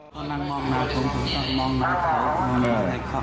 ตอนนั้นมองมาผมต้องมองมาเขา